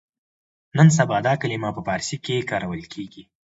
نن سبا دا کلمه په فارسي کې کارول کېږي.